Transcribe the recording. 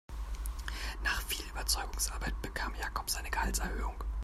Nach viel Überzeugungsarbeit bekam Jakob seine Gehaltserhöhung.